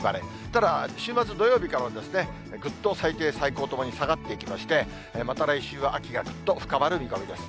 ただ、週末土曜日からはぐっと最低、最高ともに下がっていきまして、また来週は秋がぐっと深まる見込みです。